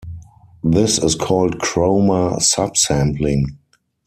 This is called chroma subsampling.